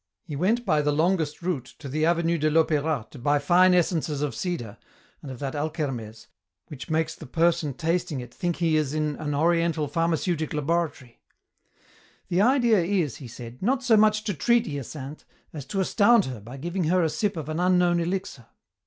He went by the longest route to the avenue de l'Opéra to buy fine essences of cedar and of that alkermes which makes the person tasting it think he is in an Oriental pharmaceutic laboratory. "The idea is," he said, "not so much to treat Hyacinthe as to astound her by giving her a sip of an unknown elixir."